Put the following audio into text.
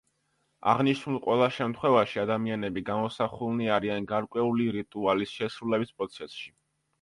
აღნიშნულ ყველა შემთხვევაში, ადამიანები გამოსახულნი არიან გარკვეული რიტუალის შესრულების პროცესში.